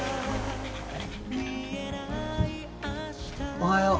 おはよう。